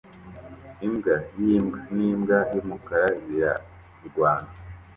Imbwa y'imbwa n'imbwa y'umukara birarwana